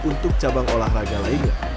untuk cabang olahraga lainnya